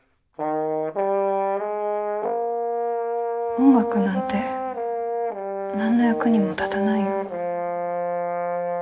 音楽なんて何の役にも立たないよ。